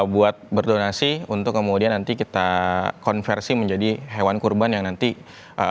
buat berdonasi untuk kemudian nanti kita konversi menjadi hewan kurban yang nanti akan